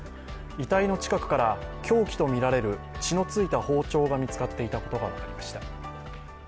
遺体の近くから凶器とみられる血のついた包丁が見つかっていたことが分かりました。